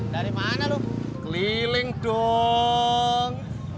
dari mana loh keliling dong